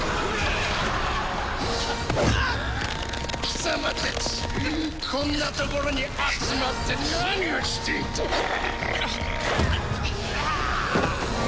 貴様たちこんな所に集まって何をしていた？